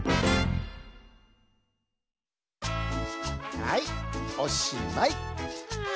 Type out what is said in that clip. はいおしまい。